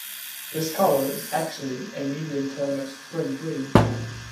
This color is actually a medium tone of "spring green".